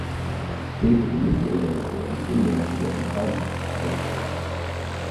Dave was immediately won over and soon managed to get in contact with Chris.